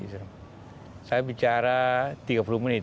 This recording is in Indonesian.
saya bicara tiga puluh menit